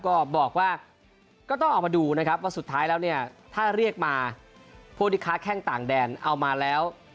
ก็บอกว่าก็ต้องเอามาดูนะครับว่าสุดท้ายแล้วเนี่ยถ้าเรียกมาผู้ที่ค้าแข้งต่างแดนเอามาแล้ว